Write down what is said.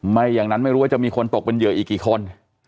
ไม่อย่างนั้นไม่รู้ว่าจะมีคนตกเป็นเหยื่ออีกกี่คน